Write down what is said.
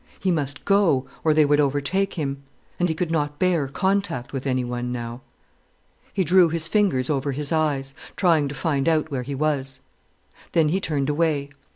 He must go, or they would, overtake him. And he could not bear contact with anyone now. He drew his fingers over his eyes, trying to find out where he was. Then he turned away.